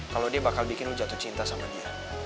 kalau dia bakal bikin lo jatuh cinta sama dia